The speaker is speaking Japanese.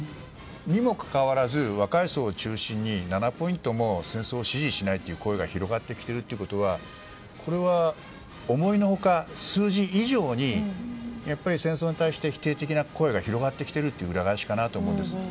にもかかわらず、若い層を中心に７ポイントも戦争を支持しないという声が広がってきているということは思いの外、数字以上に戦争に対して否定的な声が広がっている裏返しかと思います。